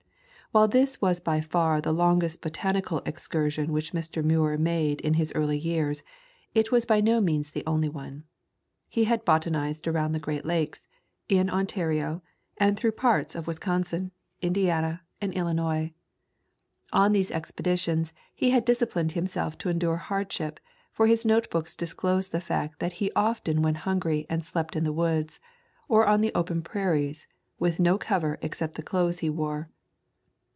While this was by far the longest botanical excursion which Mr. Muir made in his earlier years, it was by no means the only one. He had botanized around the Great Lakes, in Ontario, and through parts of Wisconsin, [ ix ] Introduction Indiana, and Illinois. On these expeditions he had disciplined himself to endure hardship, for his notebooks disclose the fact that he often went hungry and slept in the woods, or on the open prairies, with no cover except the clothes he wore.